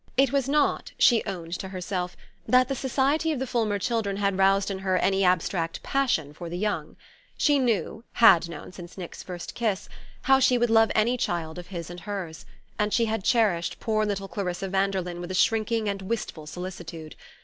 It was not, she owned to herself, that the society of the Fulmer children had roused in her any abstract passion for the human young. She knew had known since Nick's first kiss how she would love any child of his and hers; and she had cherished poor little Clarissa Vanderlyn with a shrinking and wistful solicitude.